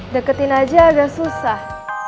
deketin aja agak susah